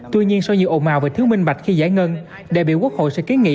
tuy nhiên so với nhiều ồn mào và thứ minh bạch khi giải ngân đại biểu quốc hội sẽ kiến nghị